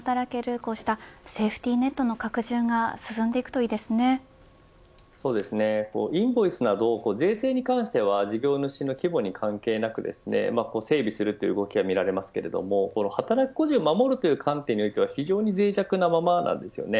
こうしたセーフティーネットの拡充がそうですね、インボイスなど税制に関しては事業主の規模に関係なく整備するという動きは見られますが働く個人を守るという観点では非常にぜい弱なままです。